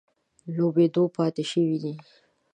لوبېدو پاتې شوي دي.